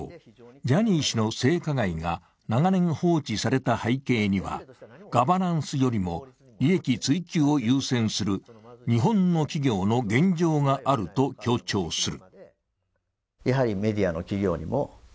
ジャニー氏の性加害が長年放置された背景には、ガバナンスよりも利益追求を優先する日本の企業の現状があると強調する。